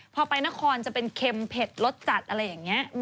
พอไปนครจะเป็นเค็มเผ็ดรสจัดอะไรอย่างนี้